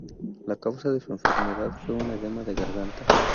La causa de su enfermedad fue un edema de garganta.